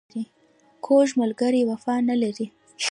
کوږ ملګری وفا نه لري